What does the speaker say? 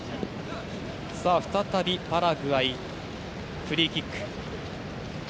再び、パラグアイフリーキック。